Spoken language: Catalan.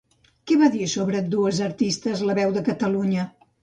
Què va dir sobre ambdues artistes La Veu de Catalunya?